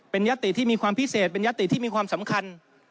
เป็นยติที่มีความพิเศษเป็นยติที่มีความสำคัญ